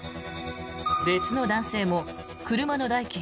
別の男性も車の代金